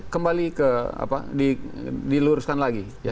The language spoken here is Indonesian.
kembali ke apa diluruskan lagi